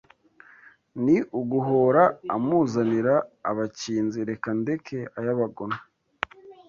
Ni uguhora amuzanira abakinzi reka ndeke ay’abagome